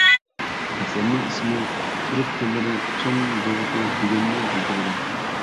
ئەسەرنىڭ ئىسمى «تۈرك تىللىرى چوڭ لۇغىتى» دېگەننى بىلدۈرىدۇ.